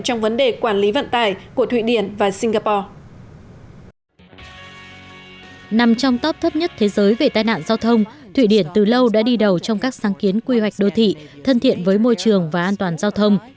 nằm trong top thấp nhất thế giới về tai nạn giao thông thụy điển từ lâu đã đi đầu trong các sáng kiến quy hoạch đô thị thân thiện với môi trường và an toàn giao thông